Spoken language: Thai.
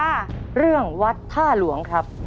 ทำไมเรื่องวัดท่าหลวงครับณหยัด